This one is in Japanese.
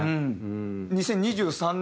２０２３年